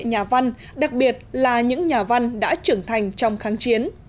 nhà văn đặc biệt là những nhà văn đã trưởng thành trong kháng chiến